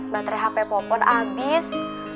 baterai hp popon abis